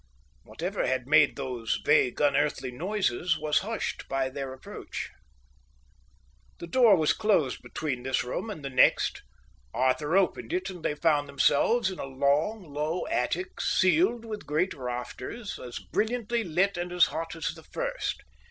Whatever had made those vague, unearthly noises was hushed by their approach. The door was closed between this room and the next. Arthur opened it, and they found themselves in a long, low attic, ceiled with great rafters, as brilliantly lit and as hot as the first.